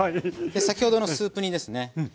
先ほどのスープ煮ですね。